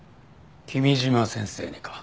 君嶋先生にか？